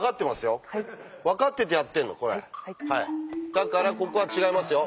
だからここは違いますよ。